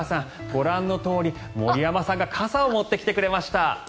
ご覧のとおり、森山さんが傘を持ってきてくれました。